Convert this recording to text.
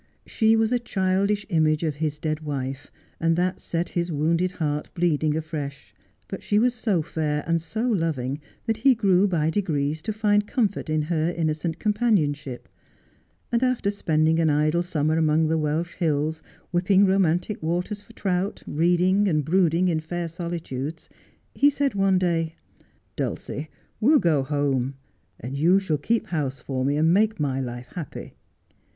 She was a chddish image of his dead wife, and that set his wounded heart bleeding afresh ; but she was so fair and so loving that he grew by degrees to find comfort in her innocent companionship, and after spending an idle summer among the Welsh hills, whipping romantic waters for trout, reading and brooding in fair solitudes, he said one day^— ' Dulcie, we'll go home, and you shall keep house for me, and make my life happy.'